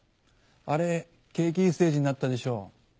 あれ景気いいステージになったでしょ。